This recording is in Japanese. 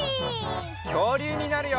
きょうりゅうになるよ！